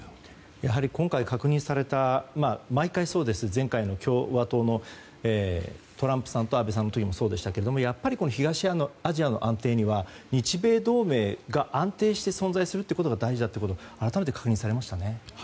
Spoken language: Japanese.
やはり今回確認された毎回そうですが前回の共和党のトランプさんと安倍さんの時もそうでしたがやっぱり東アジアの安定には日米同盟が安定して存在するということが大事だということが改めて確認されましたね。